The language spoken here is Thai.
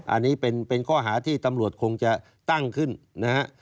อันนี้เป็นข้อหาที่ตำรวจคงจะตั้งขึ้นนะฮะ